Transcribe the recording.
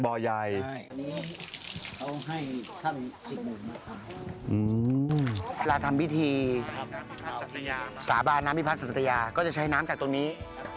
สัตยาครับครับสัตยาครับครับครับสาบานนามพี่พระสัตยาก็จะใช้น้ำจากตรงนี้